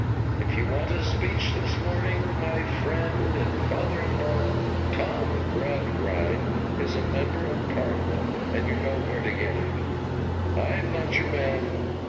If you want a speech this morning, my friend and father in law, Tom Gradgrind, is a Member of Parliament, and you know where to get it. I am not your man.